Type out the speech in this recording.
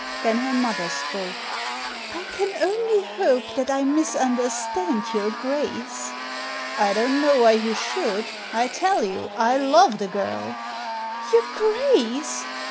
Then her mother spoke. "I can only hope that I misunderstand your Grace." I don't know why you should. I tell you I love the girl" " Your Grace